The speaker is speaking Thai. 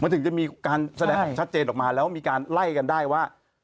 ถึงจะมีการแสดงออกชัดเจนออกมาแล้วมีการไล่กันได้ว่า